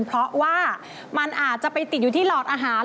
เพราะว่ามันอาจจะไปติดอยู่ที่หลอดอาหาร